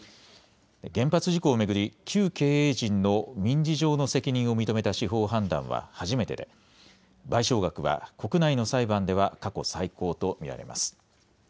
原発事故を巡り、旧経営陣の民事上の責任を認めた司法判断は初めてで、賠償額は国内の裁判では過去最高と見られます。